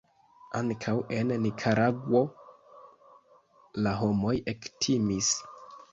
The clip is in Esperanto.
Ankaŭ en Nikaragŭo la homoj ektimis.